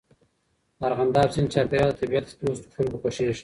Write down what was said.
د ارغنداب سیند چاپېریال د طبیعت دوستو خلکو خوښیږي.